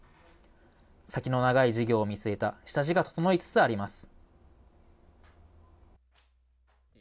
先の長い事業を見据えた下地が整いつつあります。